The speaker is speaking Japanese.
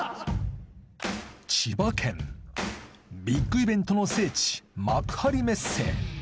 千葉県ビッグイベントの聖地幕張メッセ